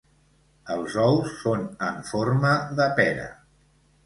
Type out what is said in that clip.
Els ous són en forma de pera.